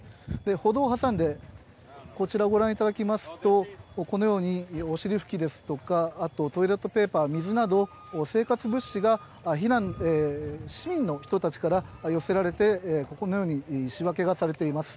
歩道を挟んで、こちらご覧いただきますと、このようにお尻拭きですとか、あと、トイレットペーパー、水など、生活物資が市民の人たちから寄せられて、このように仕分けがされています。